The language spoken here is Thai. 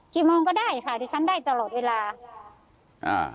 โมงก็ได้ค่ะดิฉันได้ตลอดเวลาอ่า